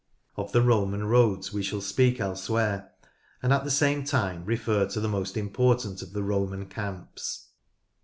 Of the Roman roads we shall speak elsewhere, and at the same time refer to the most important of the Roman camps.